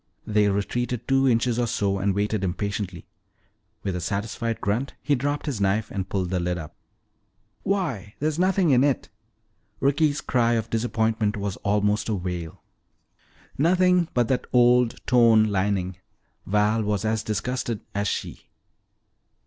They retreated two inches or so and waited impatiently. With a satisfied grunt he dropped his knife and pulled the lid up. "Why, there's nothing in it!" Ricky's cry of disappointment was almost a wail. "Nothing but that old torn lining." Val was as disgusted as she.